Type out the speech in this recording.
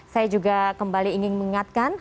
saya juga kembali ingin mengingatkan